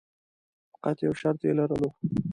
فقط یو شرط یې لرلو.